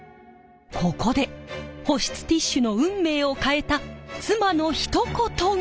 ここで保湿ティッシュの運命を変えた妻のひと言が！